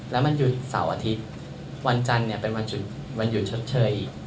แล้วมันหยุดเสาร์อาทิตย์วันจันทร์เนี่ยเป็นวันหยุดชดเชยอีก